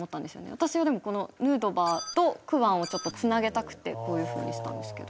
私はでもこのヌートバーとクワンをつなげたくてこういう風にしたんですけど。